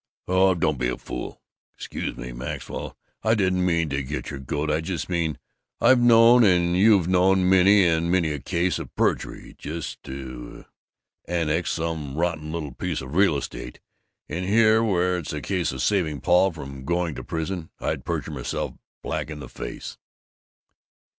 "Oh, don't be a fool! Excuse me, Maxwell; I didn't mean to get your goat. I just mean: I've known and you've known many and many a case of perjury, just to annex some rotten little piece of real estate, and here where it's a case of saving Paul from going to prison, I'd perjure myself black in the face."